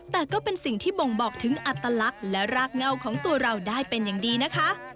แต่ก็เป็นสิ่งที่บ่งบอกถึงอัตลักษณ์และรากเงาของตัวเราได้เป็นอย่างดีนะคะ